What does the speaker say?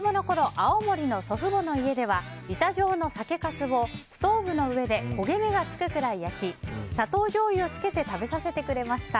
青森の祖父母の家では板状の酒かすをストーブの上で焦げ目がつくぐらい焼き砂糖じょうゆをつけて食べさせてくれました。